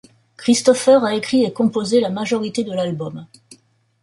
Christopher a écrit et composé la majorité de l’album.